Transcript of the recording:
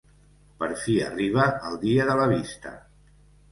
Per fi arriba el dia de la vista.